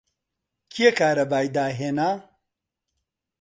کێ کارەبای داهێنا؟